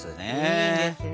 いいですね。